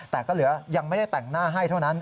แต่ก็เหลือยังไม่ได้แต่งหน้าให้เท่านั้น